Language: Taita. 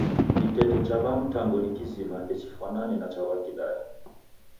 Kiteto cha W'aMtango ni kizima ndechifwanane na W'aKidaya.